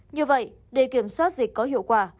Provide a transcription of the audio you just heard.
như vậy để kiểm soát dịch có hiệu quả